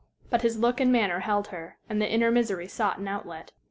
But his look and manner held her, and the inner misery sought an outlet.